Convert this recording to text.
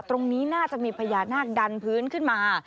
ตรงนี้น่าจะมีพญานาคดันพื้นขึ้นมา